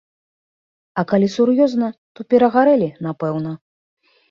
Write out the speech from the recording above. А калі сур'ёзна, то перагарэлі, напэўна.